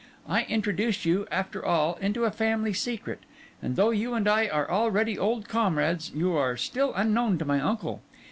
I introduce you, after all, into a family secret; and though you and I are already old comrades, you are still unknown to my uncle.